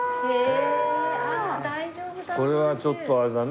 これはちょっとあれだね。